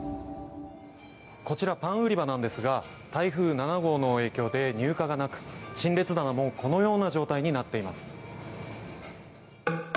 こちらパン売り場なんですが台風７号の影響で入荷がなく陳列棚もこのような状態になっています。